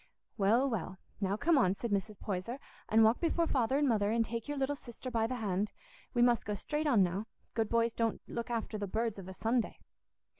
"Well, well, now come on," said Mrs. Poyser, "and walk before Father and Mother, and take your little sister by the hand. We must go straight on now. Good boys don't look after the birds of a Sunday."